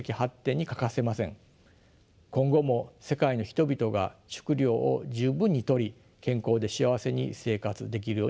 今後も世界の人々が食糧を十分にとり健康で幸せに生活できるようにしたいものです。